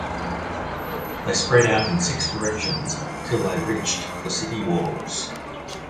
They spread out in six directions till they reached the city walls.